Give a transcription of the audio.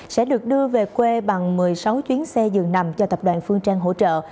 sẽ được đưa về quê bằng một mươi sáu chuyến xe dường nằm do tập đoàn phương trang hỗ trợ